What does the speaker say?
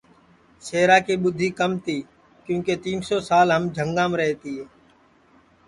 شہرا کی ٻُدھی کم تی کیونکہ تین سو سال ہم جھنگام رہے تیے